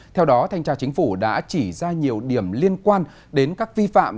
theo đó thanh tra chính phủ đã chỉ ra nhiều điểm liên quan đến các vi phạm